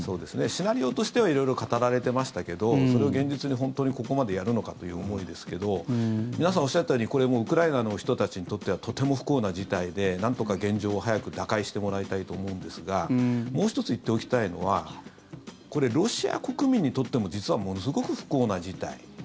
シナリオとしては色々、語られてましたけどそれを現実に本当にここまでやるのかという思いですけど皆さん、おっしゃったようにこれはもうウクライナの人たちにとってはとても不幸な事態でなんとか現状を早く打開してもらいたいと思うんですがもう１つ言っておきたいのはこれ、ロシア国民にとっても実はものすごく不幸な事態。